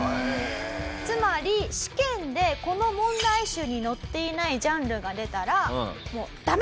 つまり試験でこの問題集に載っていないジャンルが出たらもうダメ！